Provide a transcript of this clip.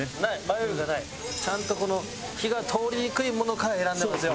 ちゃんとこの火が通りにくいものから選んでますよ。